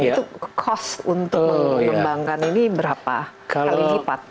itu cost untuk mengembangkan ini berapa kali lipat